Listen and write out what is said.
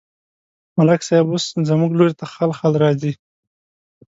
ملک صاحب اوس زموږ لوري ته خال خال راځي.